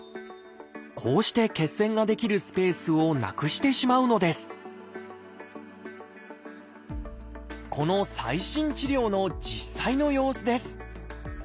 こうして血栓が出来るスペースをなくしてしまうのですこの最新治療の実際の様子です。